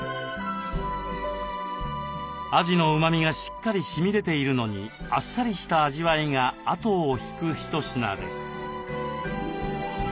アジのうまみがしっかりしみ出ているのにあっさりした味わいがあとを引く一品です。